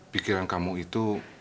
pikiran kamu itu